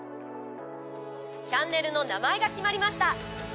チャンネルの名前が決まりました。